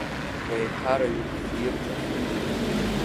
Реиҳараҩык хирҵәахьеит.